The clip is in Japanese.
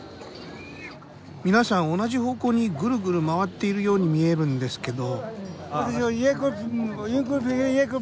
皆さん同じ方向にぐるぐる回っているように見えるんですけど。